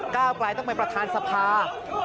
ก้าวกลายรอยถึงเป็นพระราชสภา